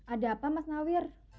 ada apa mas nahir